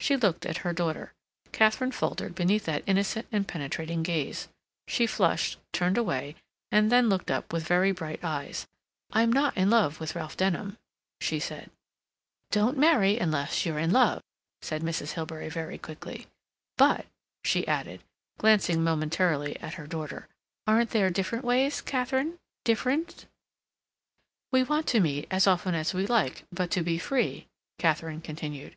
She looked at her daughter. Katharine faltered beneath that innocent and penetrating gaze; she flushed, turned away, and then looked up with very bright eyes. "I'm not in love with Ralph Denham," she said. "Don't marry unless you're in love!" said Mrs. Hilbery very quickly. "But," she added, glancing momentarily at her daughter, "aren't there different ways, Katharine—different—?" "We want to meet as often as we like, but to be free," Katharine continued.